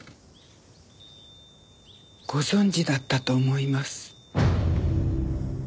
ご存じだったと思います。